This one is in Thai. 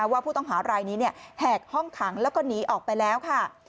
ว่าผู้ต้องหารายนี้แหกห้องขังแล้วก็หนีออกไปแล้วค่ะ